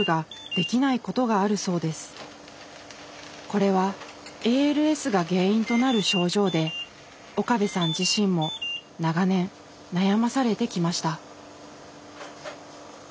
これはＡＬＳが原因となる症状で岡部さん自身も長年悩まされてきました。